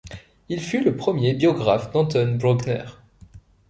Il fut le premier biographe d'Anton Bruckner.